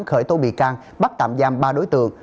khởi tố bị can bắt tạm giam ba đối tượng